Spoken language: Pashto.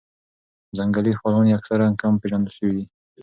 ځنګلي خپلوان یې اکثراً کم پېژندل شوي دي.